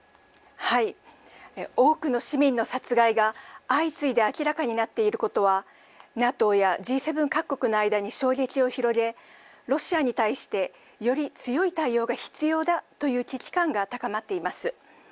多くの市民の殺害が相次いで明らかになっていることは、ＮＡＴＯやＧ７各国の間で衝撃を広げ、ロシアに対して、より強い対応が必要だという危機感が高まっています。